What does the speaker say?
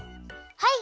はい。